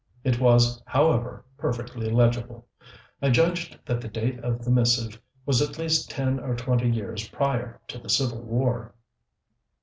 It was, however, perfectly legible. I judged that the date of the missive was at least ten or twenty years prior to the civil war.